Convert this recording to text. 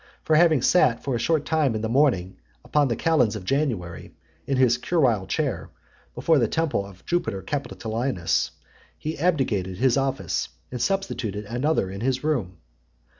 For having sat for a short time in the morning, upon the calends of January [1st January], in his curule chair , before the temple of Jupiter Capitolinus, he abdicated the office, and substituted another in his room.